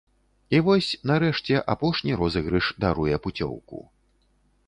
І вось, нарэшце, апошні розыгрыш даруе пуцёўку.